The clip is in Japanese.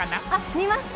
見ました。